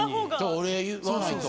お礼言わないと。